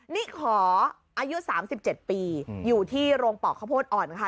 นี่ขออายุ๓๗ปีอยู่ที่โรงปอกข้าวโพดอ่อนค่ะ